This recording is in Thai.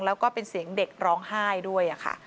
แล้วก็เป็นเสียงเด็กร้องไห้ด้วยค่ะ